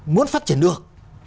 muốn phát triển được